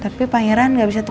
tapi pangeran gak bisa tahu